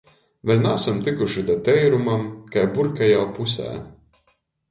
Vēļ naasam tykuši da teirumam, kai burka jau pusē.